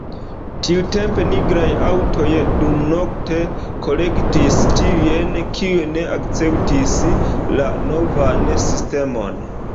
Tiutempe nigraj aŭtoj dumnokte kolektis tiujn, kiuj ne akceptis la novan sistemon.